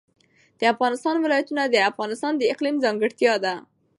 د افغانستان ولايتونه د افغانستان د اقلیم ځانګړتیا ده.